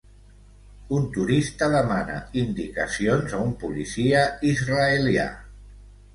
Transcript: Un turista demana indicacions a un policia israelià.